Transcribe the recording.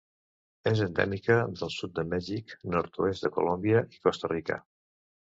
És endèmica del sud de Mèxic, nord-oest de Colòmbia i Costa Rica.